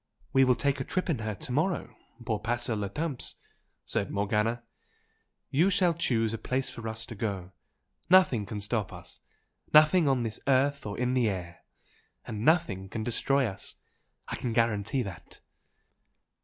"We will take a trip in her to morrow pour passer le temps" said Morgana, "You shall choose a place for us to go. Nothing can stop us nothing on earth or in the air! and nothing can destroy us. I can guarantee that!"